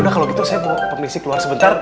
ya udah kalau gitu saya mau pengisik keluar sebentar